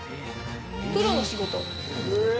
プロの仕事。